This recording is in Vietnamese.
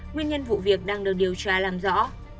nguyên nhân vụ việc đang được điều tra làm rõ